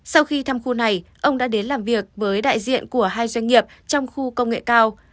sau khi thăm khu này ông đã đến làm việc với đại diện của hai doanh nghiệp trong khu công nghệ cao